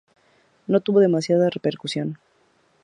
No tuvo demasiada repercusión.